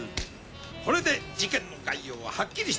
これで事件の概要ははっきりした。